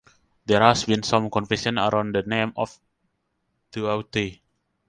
There has been some confusion around the name of Te Aute.